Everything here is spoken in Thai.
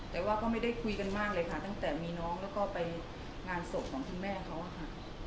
แต่ว่าก็ไม่ได้คุยกันมากเลยค่ะตั้งแต่มีน้องแล้วก็ไปงานศพของคุณแม่เขาอะค่ะ